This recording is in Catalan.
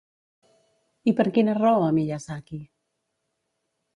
I per quina raó a Miyazaki?